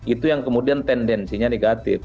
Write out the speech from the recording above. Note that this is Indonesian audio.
itu yang kemudian tendensinya negatif